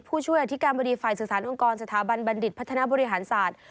ผู้ช่วยอธิการบริษัทศึกษาโรงกรสถาบันบันดิตพัฒนบริหารศาสตร์